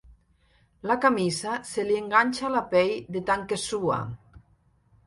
La camisa se li enganxa a la pell de tant que sua.